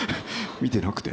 見てなくて。